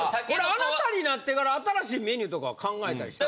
あなたになってから新しいメニューとかは考えたりしたん？